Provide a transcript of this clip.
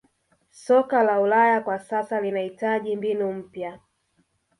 soka la ulaya kwa sasa linahitaji mbinu mpya